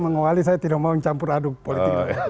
mengawali saya tidak mau mencampur aduk politik